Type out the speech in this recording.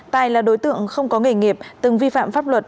tài là đối tượng không có nghề nghiệp từng vi phạm pháp luật